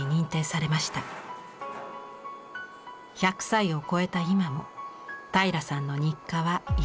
１００歳を超えた今も平良さんの日課は糸作り。